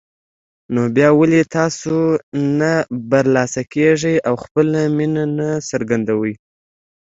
نو بيا ولې تاسو نه برلاسه کېږئ او خپله مينه نه څرګندوئ